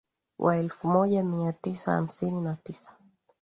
Wa elfu moja mia tisa hamsini na tisa